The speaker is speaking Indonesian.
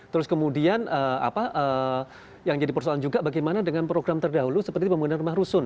terus kemudian apa yang jadi persoalan juga bagaimana dengan program terdahulu seperti pembangunan rumah rusun